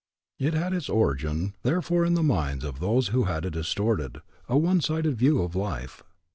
It had its origin therefore in the minds of those who had a distorted, a one sided view of life.